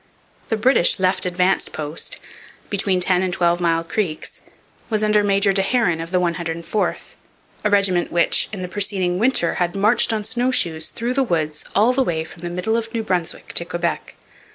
The British left advanced post, between Ten and Twelve Mile Creeks, was under Major de Haren of the 104th, a regiment which, in the preceding winter, had marched on snow shoes through the woods all the way from the middle of New Brunswick to Quebec.